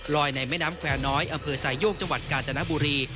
ในแม่น้ำแควร์น้อยอำเภอสายโยกจังหวัดกาญจนบุรี